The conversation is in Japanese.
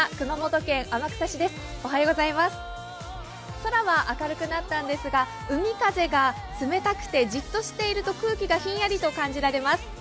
空は明るくなったんですが海風が冷たくてじっとしていると空気がひんやりと感じられます。